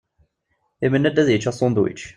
Imenna-d ad yečč asunedwič.